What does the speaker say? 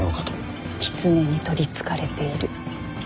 狐に取りつかれている。